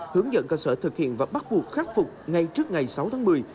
cảm nhận cơ sở thực hiện và bắt buộc khắc phục ngay trước ngày sáu tháng một mươi